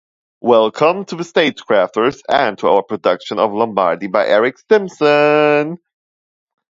Welcome to The Stagecrafters and to our Production of Lombardi by Eric Stimson.